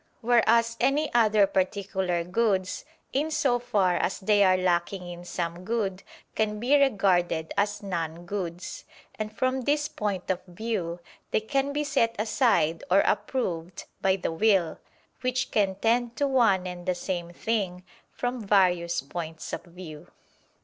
Whereas any other particular goods, in so far as they are lacking in some good, can be regarded as non goods: and from this point of view, they can be set aside or approved by the will, which can tend to one and the same thing from various points of view.